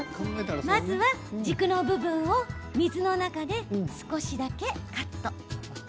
まずは軸の部分を水の中で少しだけカット。